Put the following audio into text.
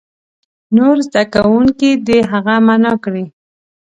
نور زده کوونکي دې هغه معنا کړي.